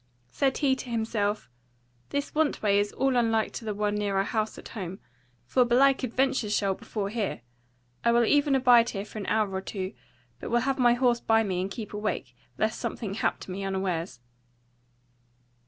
Said he to himself; This want way is all unlike to the one near our house at home: for belike adventures shall befall here: I will even abide here for an hour or two; but will have my horse by me and keep awake, lest something hap to me unawares.